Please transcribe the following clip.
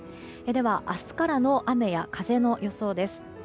では、明日からの雨や風の予想です。